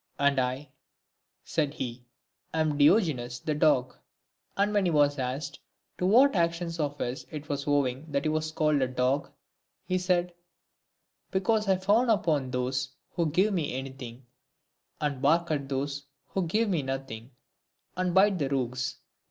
" And I," said he, am Diogenes the dog." And when he was asked to what actions of his it was owing that he was called a dog, he said, " Because I fawn upon those who give me anything, and bark at those who give me nothing, and bite the rogues."